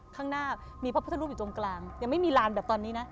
ข้างหน้ามีพระพุทธรูปอยู่ตรงกลางยังไม่มีลานแบบตอนนี้นะ